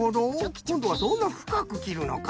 こんどはそんなふかくきるのか。